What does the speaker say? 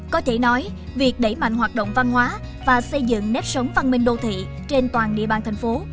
có thể nói việc đẩy mạnh hoạt động văn hóa và xây dựng nếp sống văn minh đô thị trên toàn địa bàn thành phố